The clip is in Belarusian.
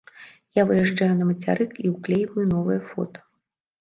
Я выязджаю на мацярык і ўклейваю новае фота.